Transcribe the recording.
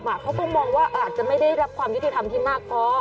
เขาก็มองว่าอาจจะไม่ได้รับความยุติธรรมที่มากพอ